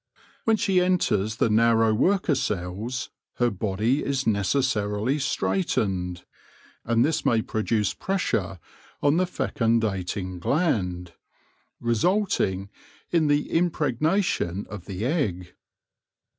When she enters the narrow worker cells, her body is necessarily straightened, and this may produce pressure on the fecundating gland, resulting in the impregnation of the egg.